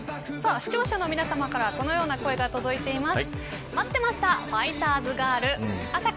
視聴者の皆さまからこのような声が届いています。